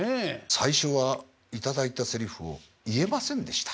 最初は頂いたセリフを言えませんでした。